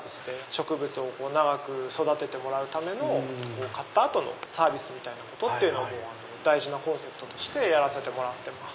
植物を長く育ててもらうための買った後のサービスみたいなこと大事なコンセプトとしてやらせてもらってます。